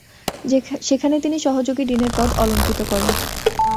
সেখানে তিনি সহযোগী ডিনের পদ অলঙ্কৃত করেন।